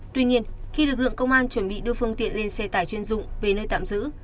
tuy nhiên khi lực lượng công an chuẩn bị đưa phương tiện lên xe tải chuyên dụng về nơi tạm giữ